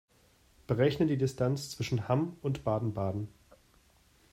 Berechne die Distanz zwischen Hamm und Baden-Baden